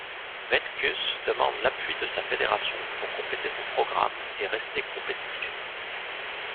Vaitkus demande l'appui de sa fédération pour compléter son programme et rester compétitif.